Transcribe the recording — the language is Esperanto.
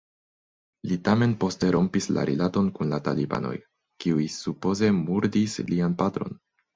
Li tamen poste rompis la rilaton kun la talibanoj, kiuj supoze murdis lian patron.